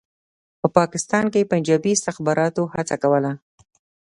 په پاکستان کې پنجابي استخباراتو هڅه کوله.